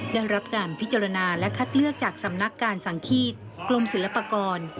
ได้รับการพิจารณาและคัดเลือกจากสำนักการสังฆีตกรมศิลปากร